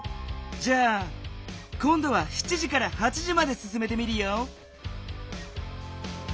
じゃあこんどは７時から８時まですすめてみるよ。